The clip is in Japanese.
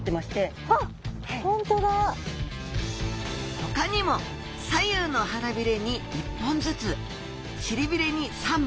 ほかにも左右の腹びれに１本ずつ尻びれに３本。